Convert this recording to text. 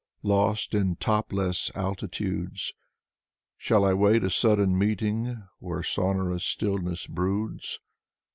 Lost in topless altitudes? Shall I wait a sudden meeting Where sonorous stillness broods?